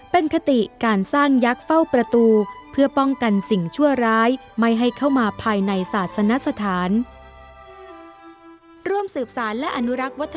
เป็นคติการสร้างยักษ์เฝ้าประตูเพื่อป้องกันสิ่งชั่วร้ายไม่ให้เข้ามาภายในศาสนสถาน